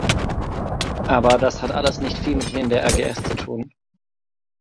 Aber das hat alles nicht viel mit den in der RgS zu tun.